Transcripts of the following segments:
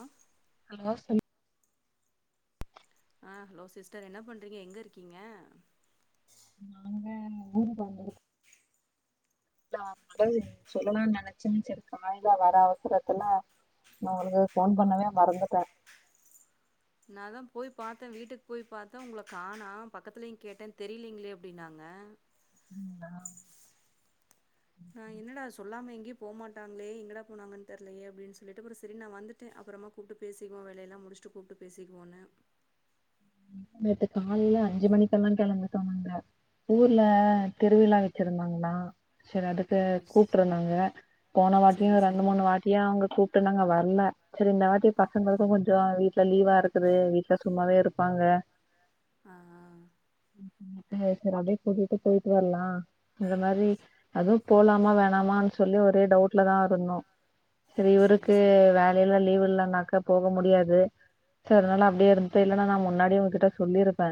ஆ hello சொல் ஆ hello sister என்ன பண்றீங்க எங்க இருக்கீங்க நாங்க ஊருக்கு வந்திருக்கோ ன் ம சொல்லலான்னு நெனைச்ச செரி காலைல வர அவசரத்தில நா உங்களுக்கு போன் பண்ணவே மறந்துட்டே நா தா போய் பாத்தே வீட்டுக்கு போய் பார்த்தே உங்கள காணோ பக்கத்துலயையு கேட்டே தெரியலலைங்களே அப்டின்னாங்க [inaudible] நா என்னடா சொல்லாம எங்கய போமாட்டாங்களே எங்கடா போனாங்கு தெர்லயே அப்டின்னு சொல்லிட்டு அப்றோ செரி நா வந்துட்டு ட்டு அப்புறமா கூப்பிட்டு பேசிக்குவோ வேலயெல்லா முடிச்சுட்டு கூப்பிட்டு பேசிக்குவோன்னு நேத்து காலல அஞ்சு மணிக்கல்லா கிளம்பிட்டோ நாங்க ஊர்ல திருவிழா வச்சிருந்தாங்களா சரி ஓ அதுக்கு கூப்ட்ருந்தாங்க போன சரி வாட்டியு ரெண்டு சரி மூணு வாட்டி யு அவங்க கூப்ட்டு நாங்க வர்ல சரி இந்த வாட்டி பசங்களுக்கு கொஞ்சோ வீட்டுல லீவா இருக்குது வீட்டுல சும்மாவே இருப்பாங்க ஆஹ் அப்டியே கூட்டிட்டு போய்ட்டு வரலா இந்த மாரி அதுவு போலாமா வேணாமான்னு சொல்லி ஒரே டவுட்ல தா இருந்தோ ஆ சரி இவருக்கு சரி வேலையல்ல லீவ் இல்லனாக்க போக முடியாது சரினால ம் அப்டியே இரு இப்ப இல்லன்னா நா முன்னாடியே உங்ககிட்ட சொல்லிருப்பே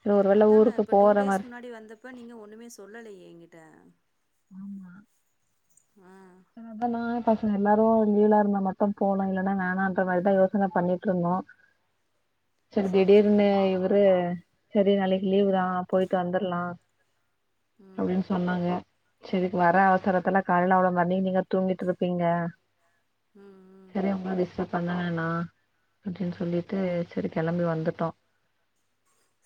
சரி ஒருவேள அதான ஊருக்கு டூ போற டேஸ் மாரி முன்னாடி இப்போ வந்தப்ப நீங்க ஒண்ணுமே சொல்லலையே என்கிட்ட ஆமா ஆஹ் சரி அதா நானு பசங்க எல்லாரு லீவ்லா இருந்தா மட்டு போலா இல்லன்னா வேணான்ன்ற மாரிதா யோசன பண்ணிட்டுருந்தோ [inaudible] சரி திடீர்னு சரி இவரு சரி நாளைக்கு லீவு ம் தா போய்ட்டு வந்துரலா ம் அப்டின்னு சொன்னாங்க சரின்னு வர அவசரத்துல காலையில அவ்ளோ அப்டியே நீங்க தூங்கிட்டு இருப்பீங்க ம் சரி ம் உங்கள டிஸ்டர்ப் பண்ண வேணா அப்டின்னு சொல்லிட்டு சரி கிளம்பி வந்துட்டோ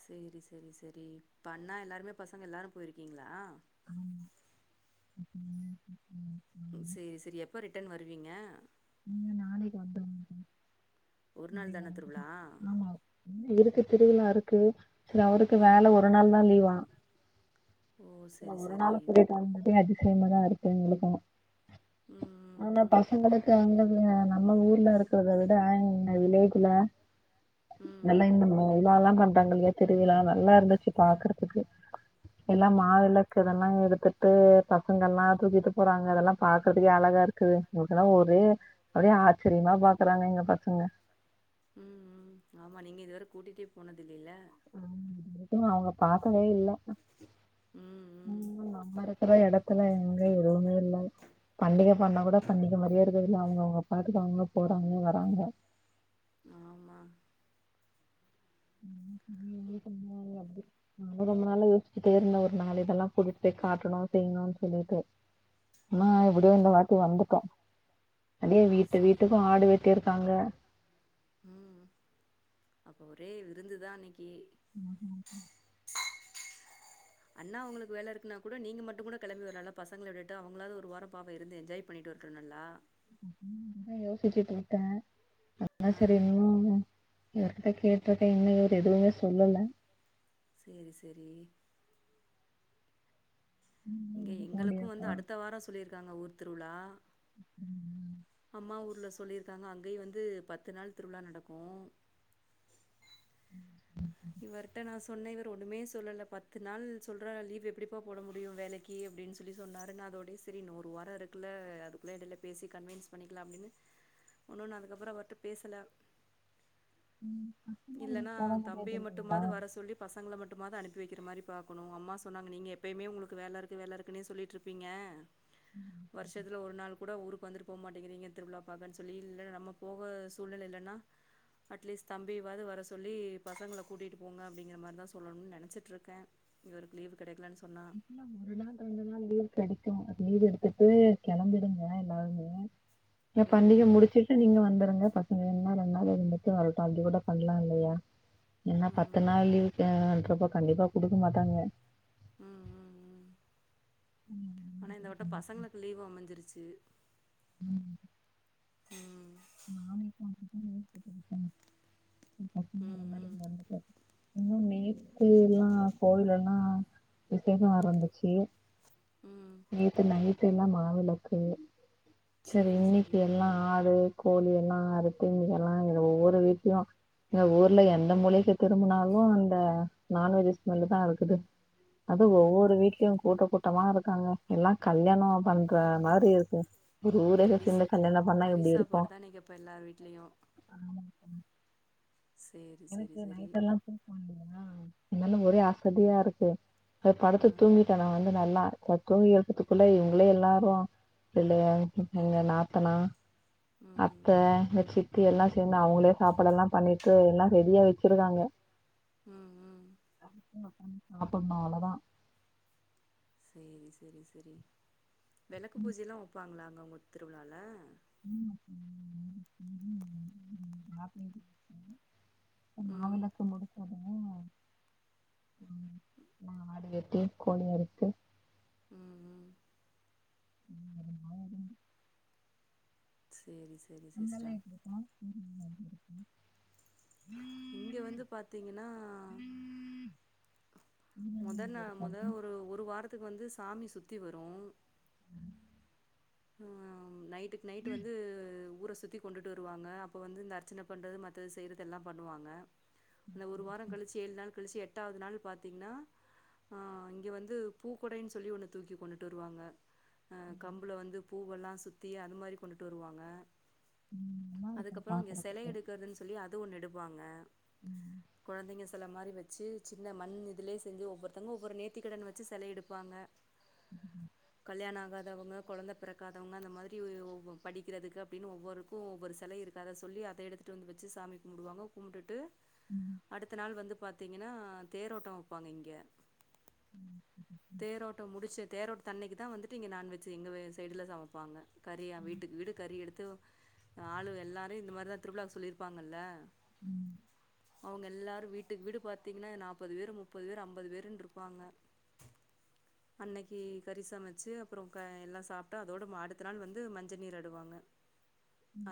சேரி சேரி சரி இப்ப அண்ணா எல்லோருமே பசங்க எல்லோரு போயிருக்கீங்ளா உம் உம் சேரி சேரி எப்போ ரிட்டன் வருவீங்க உ நாளைக்கு வந்துருவோ ஒரு நாள் தானே திருவிழா இவருக்கு திருவிழா இருக்கு சரி அவருக்கு ஆ வேல ஒரு நாள் தா லீவா ஓ சேரி ஒரு சேரி நாளு புரியாம அதிசயமா தா இருக்கு எங்களுக்கு ஆனா ம் பசங்களுக்கு அந்த [unintelligible] நம்ம ஊர்ல இருக்கிறத விட இங்க வில்லேஜ்ல ம் நல்லா ம் இன்னு இவா ல்லா பண்றாங்க இல்லையா திருவிழா நல்லா இருந்துச்சு பாக்குறதுக்கு எல்லாமா ம் விளக்கு இதெல்லா எடுத்துட்டு பசங்கள்ளா தூக்கிட்டு போறாங்க அதெல்லா பாக்குறதுக்கே அழகா இருக்குது எங்களுக்குல்லா ஒரே ஒரே ஆச்சரியமா பாக்குறாங்க எங்க பசங்க உம் உம் ஆமா நீங்க இதுவர கூட்டிட்டே போனது இல்லல்ல அவங்க பாக்கவே இல்ல உம் உம் நம்ம இருக்கிற இடத்துல எங்க எதுவுமே இல்ல பண்டிக பண்ணா கூட பண்டிக மாதிரியே இருக்குரது இல்ல அவங்க அவங்க பாட்டுக்கு அவங்க அவங்க போறாங்க வராங்க ஆமா விடிய விடிய ண்ணுவாங்க அது உம் ரொம்ப நாளு யோசிச்சுட்டே இருந்தே ஒரு நாள் இதெல்லா கூட்டிட்டு போய் காட்டணு செய்யணுனு சொல்லிட்டு ஆமா இப்டியே இந்த வாட்டி வந்துட்டோ அடியே வீட்டு சேரி வீட்டுக்கு ஆடு வெட்டியிருக்காங்க உம் அப்போ ஒரே விருந்துதா அன்னைக்கு உம் ம் அண்ணா அவங்களுக்கு வேல இருக்குனா கூட நீங்க மட்டு கூட கிளம்பி வரலால பசங்கள விட்டுட்டு அவுங்களாது ஒரு வாரோ பாவோ இருந்து என்ஜாய் பண்ணிட்டு வொர்கேனல்லா ம் நா யோசிச்சுட்டு இருக்கேன் அதா ஆ சரி இன்னும். இவர்கிட்ட கேட்ருக்கேன் இன்னும் இவுரு எதுவுமே சொல்லல சேரி சேரி இங்க ம் எங்களுக்கும் வந்து போலியாப்பா அடுத்த வாரோம் சொல்லியிருக்காங்க ஊர் திருவுழா ம் அம்மா ஊருல சொல்லியிருக்காங்க அங்கயும் வந்து பத்து நாள் திருவுழா நடக்கும் இவர்ட்ட நா சொன்னே இவரு ஒன்னுமே சொல்லல பத்து நாள் சொல்ற லீவ் எப்டிப்பா போட முடியும் வேலைக் கே அப்டின் சொல்லி சொன்னாரு நா அதோடே சரி இன்னொ ஒரு வாரோ இருக்குக்கல அதுக்குள்ள எடைல பேசி கன்வின்ஸ் பண்ணிக்கலா அப்டின்னு ஒன்னு நா அதுக்கப்புரோ அவர்ட பேசல ம், பத்து நாள் லீவ் இல்ன்னா போட தம்பிய முடியாதுல்ல மட்டுமாது வர சொல்லி பசங்கள மட்டுமாது அனுப்பி வைக்கிற மாரி பாக்கணும் அம்மா சொன்னாங்க நீங்க எப்பயுமே ஒங்களுக்கு வேல இருக்கு வேலை இருக்குன்னே சொல்லிட்டுருப்பீங்க வருஷத்ல ஒரு நாள் கூட ஊருக்கு வந்துட்டு போ மாட்டேங்கிறீங்க திருவிழா பாக்கன் சொல்லி இல்ல நம்ம போக சூழ்நில இல்லன்னா அட்லீஸ்ட் தம்பிவாது வர சொல்லி பசங்கள கூட்டிகிட்டு போங்க அப்டிங்கிற மாரி தான் சொல்லணும் நெனச்சிட்டுருக்கேன் இவருக் லீவ் கெடைக்கலன் சொன்னா எப்பனா ஒரு நாள் ரெண்டு நாள் லீவு கடைக்கும் லீவு எடுத்துட்டு களம்பிடுங்க எல்லாருமே ய பண்டிக ம் முடிச்சுட்டு நீங்க வந்துருங்க இங்க ரெநா ரெ நா இருந்துட்டு வரட்டும் அப்டி கூட பண்ணலாம் இல்லையா ஏன்னா ம் பத்து ம் நாள் லீவுக்கு ருபா கண்டிப்பா குடுக்க மாட்டாங்க ம் ம் ம் ஆனா இந்த வாட்ட பசங்களுக்கு லீவு அமைஞ்சிருச்சு ம் ம் நாம்ளே [unintelligible] ம் ம் [unintelligible] இன்னுமே [unintelligible] கோவில்லெல்லாம் விசேஷம் ஆரமிச்சு ம் நேத்து நைட்டுலாம் மாவெளக்கு சரி சேரி இன்னைக்கு சேரி எல்லாம் ஆடு கோழி எல்லாம் அறுத்து இங்கல்லாம் ஒவ்வொரு வீட்லயும் எங்க ஊர்ல எந்த மூளைக்கு திரும்புனாலும் அந்த நான்வெஜ் ஸ்மெல்லு தான் இருக்குது அது ம் ஒவ்வொரு வீட்லயும் கூட்டப் போ கூட்டமா இருக்காங்க எல்லாம் கல்யாணோம் பண்ற மாரி இருக்கு ஊரே சேந்து கல்யாணம் பண்ணா எப்டி இருக்கும் அன்னைக்கெப்ப எல்லார் வீட்லயும் ஆ சேரி சேரி எனக்கு சேரி நைட்டெல்லாம் தூக்க இல்லங்களாஅதுனால ஒரே அசதியா இருக்கு போய் படுத்து ஆ தூங்கிட்ட நா வந்து நல்லா தூங்கி எழுந்துறதுக்குள்ள இவுங்களே எல்லாரும் எங்க நாத்தனா ம் அத்த எங்க ஜித்தி எல்லாம் சேந்து அவங்களே சாப்பாடெல்லாம் பண்ணிட்டு எல்லாம் ரெடியா வச்சிருக்காங்க ம் ம் அப்டியே ஒக்காந்து சாப்டணும் அவ்வளோதான் சேரி சேரி செரி வெளக்கு பூஜய்லாம் வெப்பாங்களா அங்க ஒங்க திருவுழால உம் [unintelligible] ம் மாவெளக்கு முடிச்ச ம் ஆடு வெட்டி கோழி அருத்து ம் ம் இன்னு கொஞ்சோ நாளாகனு சேரி சேரி சிஸ்டர் அங்க எனா [unintelligible] இங்க வந்து பாத்தீங்கன்னா ம். இதெல்லாம் முத நா எப்படி இருக்காது முதல் ஒரு ஒரு வாரத்துக்கு வந்து சாமி சுத்தி வரு ம் ஆ நைட்டுக்கு நைட் வந்து ஊர சுத்தி கொண்டுட்டு வருவாங்க அப்ப வந்து இந்த அர்ச்சன பண்றது மத்தது செய்யறதெல்லா பண்ணுவாங்க அந்த ஒரு வாரோ கழிச்சு ஏழு நாள் கழிச்சு எட்டாவது நாள் பாத்தீங்கன்னா ஆ இங்க வந்து பூக்கெடைன்னு சொல்லி ஒன்னு தூக்கிட்டு வருவாங்க கம்புல வந்து பூவெல்லா சுத்தி அது மாரி கொண்டுட்டு வருவாங்க ம் நல்லா இருக்கும் அதுக்கப்றோ இங்க சேலை பாக்குறதுக்கு எடுக்கிறது சொ ல்லி அது ஒன்னு எடுப்பாங்க ம் குழந்தைங்க சேல மாரி வச் சி சின்ன மண் இதுலயே செஞ்சு ஒவ்வொருத்தவங்க ஒவ்வொரு நேத்திகடன் வச்சு சேலய எடுப்பாங்க கல்யாண ஆகாதவங்க கொழந்த பெ பிறக்காதவங்க அந்த மாதிரி ஒ ஒவ் படிக்கிறதுக்கு அப்டின்னு ஒவ்வொருக்கு ஒவ்வொரு சேல இருக்கு அத சொல்லி அத எடுத்து ந்து வந்து வச்சு சாமி கும்புடுவாங்க கும்டுட்டு ம் அடுத்த நாள் வந்து பா பாத்தீங்கன்னா தேரோட்டோ வைப்பாங்க இங்க ம் தேரோட்டோ முடிச்ச தேரோட்ட தன்னைக்கு தா வந்துட்டு இங்க நான்வெஜ் எங்க சைடுல சமைப்பாங்க கறியா வீட்டுக்கு வீடு கறி எடுத்து ஆளுக எல்லாரு இந்த மாரிதா திருவிழாவுக்கு சொல்லியிருப்பாங்கல்ல அவுங்க எல்லாரு வீட்டுக்கு வீடு பாத்தீங்கன்னா நாற்பது பேரு முப்பது பேரு ஐம்பது பேருன்னு இருப்பாங்க அன்னைக்கு கறி சமச்சு அப்றோ எல்லா சாப் டு அதோட அடுத்த நாள் வந்து மஞ்சள் நீர் ஆடுவாங்க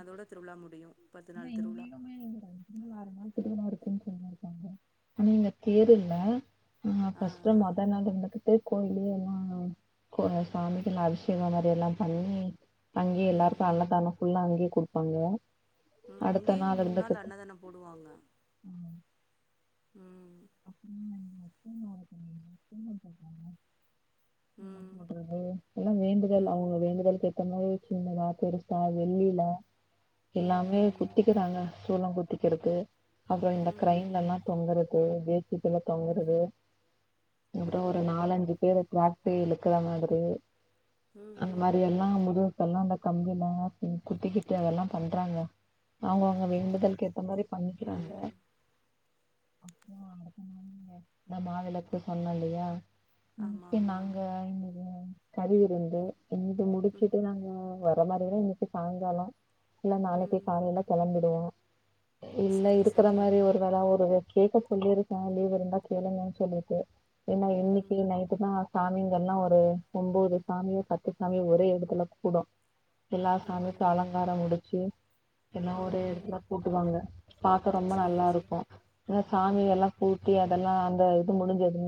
அதோட திருவிழா முடியு பத்து நாள் திருவுழா இன்னு அர நாள் திருவிழா இருக்குனு செல்லிருக்காங்க உங்க பேரு என்ன ஆ ஃபர்ஸ்ட்டு டைம் அத நடந்து இருக்குது கோயில எல்லா கோ சாமிக்கு எல்லா அபிஷேகோ மாதிரி எல்லா பண்ணி அங்கேயே எல்லாருக்கு ம் அன்னதானோ ஃபுல்லா அங்கெயே குடுப்பாங்க ம் இங்கியு மூண் நாள் அன்னதானோ போடுவாங்க ம் அப்டிங்ளா எத்தன நாளைகு [unintelligible] என ம் பன்றது எல்லா வேண்டுதல் ம் அவுங்க வேண்டுதலுக்கு ஏத்த மாரி சின்னதா பெருசா வெள்ளில ம் எல்லாமே ம் குத்திக்கிறாங்க சூலோ குத் திக்கறது அப்றோ ம் ம் இந்த ம் கிரைன்லல்லா தொங்கறது ஜே சி பில தொங்கறது அப்றோ ஓ ஒரு நாலஞ்சு பேர் டிராக்டர் இழுக்கற மாதிரி ம் அந்த ம் மாரி எல்லா முது இதெல்லா அந்த கம்பில குத்திக்கிட்டு அதெல்லா பண்றாங்க அவுங்க அவுங்க வேண்டுதலுக்கு ஏத்த மாரி ஓ பண்ணிக்கிறாங்க கஷ்டேதா அப்றோ இந்த மாவிலக்கு சொன்ன இல்லயா ஆமா ம் ஆமா நாங்க இங்க கரி விருந்து இது முடிச்சுட்டு நாங்க நம் எல்லா வேலயு முடிசிட்டு சாய்ங்காலோ இல்ல நாளைக்கு ம் காலையில கெளம்பிடுவோ இல்ல சரி இருக்கற சரி மாரி ஒரு வேல ஒரு கேட்க சொல்லிருக்க லீவ் இருந்தா கேளுங்கனு சொல்லிட்டு ஏன்னா இன்னிக்கி ம் நை ட்டுனா சாமிங்கல்லா ஒரு ஒம்போது சாமியோ பத்து சாமியோ ஒரே யடத்துல கூடு எல்லா ஓ சாமிக்கு அலங்காரோ முடிச்சு எல்லா ம் ஒரே ம் எடத்துல கூட்டுவாங்க பாக்க ரொம்ப நல்லா சேரி சே இருக்கு ஏன்னா சாமி ம் எல்லா கூட்டி அதெல்லா அந்த இது முடிஞ்சது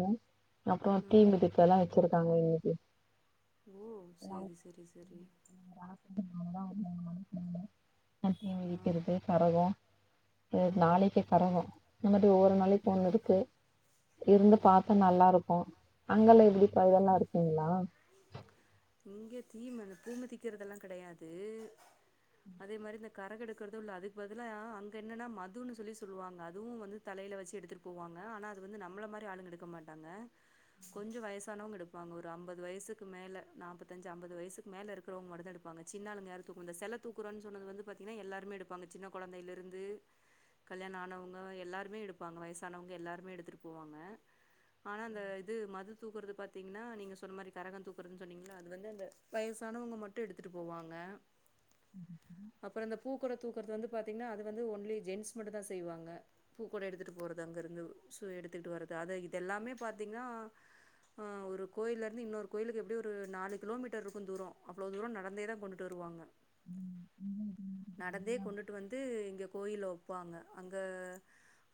அப்றோ தீ ம் மிதிக்கெல்லா வெச்சிருக்காங்க இன்னிக்கி ஓ வாங் சேரி [inaudible] சேரி சேரி அக்னி ஆ மிதிக்கிறது கரகோ ஆ எனக் நாளைக்கு கரகோ இந்த மாதிரி ஒவ்வொரு நாளைக் ஒன்னு இருக்கு இருந்து ம் பாத்தா நல்லா இருக்கு அங்கல்லா எப்டிபா இதெல்லா இருக்குங்ளா இங்க தீம தீ மிதிக்கறதெல்லா கெடயாது அதே மாரி இந்த கரகோ எடுக்கறது இல்ல அதுக்கு பதில அங்க என்னன்னா மதுன்னு சொல்லி சொல்லுவாங்க அதுவு வந்து தலையில வச்சு எடுத்துட்டு போவாங்க ஆனா அது வந்து நம்ள மாரி ஆளுங்க எடுக்க மாட்டாங்க கொஞ்சோ வயசானவங் எடுப்பாங்க ஒரு ஐம்பது வயசுக்கு மேல நாப்பத்தஞ்சு ஐம்பது வய்ஸுக்கு மேல இருக்ரவுங்க மட்டுதா எடுப்பாங்க சின்ன ஆளுங்க யாரு தூக் இந்த செல தூக்ரோன் சொன்னது வந்து பாத்தீனா எல்லாருமே எடுப் பாங்க சின்ன கொழந்தைலிருந்து கல்யாணோ ஆனவுங்க எல்லாருமே எடுப்பாங்க வயசானவுங்க எல்லாருமே எடுத்துட்டு போவாங்க ஆனா அந்த இது மது தூக்கறது பாத்தீங்னா நீங்க சொன்ன மாரி கரகோ தூக்குறது ன்ன சொன்னீங்ளா அது வந்து அந்த வயசானவுங்க மட்டு எடுத்துட்டு போவாங்க அப்றோ இந்த பூக்கூட தூக்கறது வந்து பாத்தீங்னா அது வந்து ஒன்லி ஜென்ஸ் மட்டு தா செய்வாங்க பூக்கூட எடுத்துட்டு போறது அங்க இருந்து சு எடுத்துட்டு வர்றது அது இதெல்லாமே பாத்தீங்னா ஆ ஒரு கோயில் இருந்து இன்னொரு கோயிலுக்கு எப்டி ஒரு நாலு கிலோமீட்டர் இருக்கு தூரோ அவ்ளோ தூரோ நடந்தே தா கொண்டுட்டு வருவாங்க நடந்தே கொண்டுட்டு வந்து இங்க கோயில வ ப்பாங்க அங்க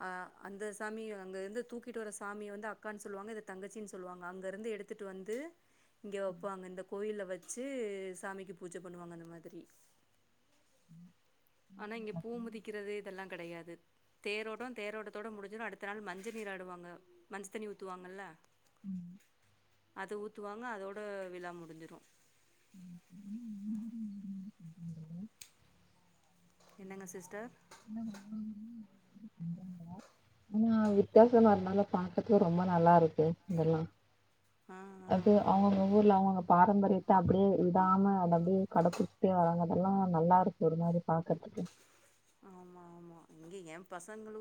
ஆ அந்த சாமி அங்க இருந்து தூக்கிட்டு வர சாமிய வந்து அக்கான் சொல்லுவாங்க இத தங்கச்சின் சொல்லுவாங்க அங்க இருந்து எடுத் துட்டு வந்து இங்க வெப்பாங்க இந்த கோயில்ல வச்சு சாமிக்கு பூஜ பண்ணுவாங்க அந்த மாதிரி ஆனா இங்க பூ மிதிக்கறது இதெல்லா கெடையாது தேரோட்டோ தேரோட்டத்தோட முடிஞ்சிடு அடுத்த நாள் மஞ்ச நீராடுவாங்க மஞ்ச் தண்ணி ஊத்துவாங்கல்ல ம் அதட ஊத்துவாங்க அதோட விழா முடிஞ்சிடு [inaudible] என்னங்க சிஸ்டர் இல்ல அங்க ஒவ்வொன்லியு [inaudible] ஆனா வித்யாசமா இருந்தால பாக்கர்கே ரொம்ப நல்லாருக்கு இதெல்லா ஆ ஆ அது ஆ அவுங்கவுங்க ஊர்ல அவுங்கவுங்க பாரம்பரியத்த அப்டியே விடாம அத அப்டியே கட புடிச் சசி வராங்க அதெல்லா நல்லாருக்கு ஒரு மாரி பாக்றதுக்கு ஆமா ஆமா இங்க ஏ பசங்ளு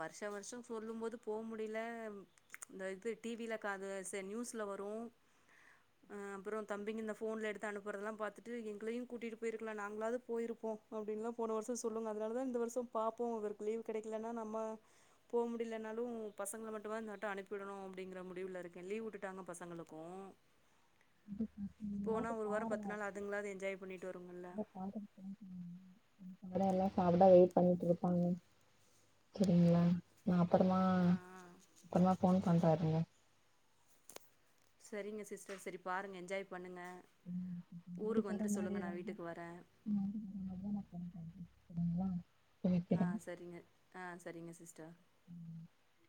வர்ஷ வர்ஷோ சொல்லும் போது போ முடில இந்த இது டிவில காது செ நியூஸ்ல வரு ஆ அப்பறோ தம்பிங்க இந்த ஃபோன்ல எடுத்து அனுப்புறதலா பாத்துட்டு எங்களயு கூட்டிட்டு போயிருக்லா நாங்ளாவது போயிருப்போ அப்டின்லா போன வர்ஷோ சொல்லுங்க அதனாலதா இந்த வர்ஷோ பாப்போ இவுருக்கு லீவ் கெடைக்கலனா நம்ம போ முடிலனாலு பசங்கள மட்டு்மாத் இந்தாட்ட அனுப்விடணு அப்டிங்ற முடிவுல இருக்கே லீவ் உட்டுட்டாங்க பசங்களுக் கு போனா நீங்களாச்சு ஒரு வாரோ பாருங்க பத்து நாள் அதுங்களாது என்ஜாய் பண்ணிட்டு வருங்கல்ல ம் சும்மாதா எல்லா சாப்பிட வெயிட் பண்ணிட் இருப்பாங்க செரிங்களா நா அப்பறமா ம் ம் அப்றமா ஃபோன் பண்றாரு செரிங்க சிஸ்டர் செரி பாருங்க என்ஜாய் பண்ணுங்க முன்னாடி ஊருக்கு போற வந்துட்டு சொல்லுங்க நா மாரி வீட்டுக்கு வரே நான் வந்து வர மதியானம் ஃபோன் பண்றேன் சரிங்களா சரி ஆ வைக்கிறேன் செரிங்க ஆ செரிங்க சிஸ்டர் ம்